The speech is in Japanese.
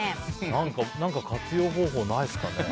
あら何か活用方法ないですかね。